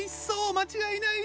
間違いない！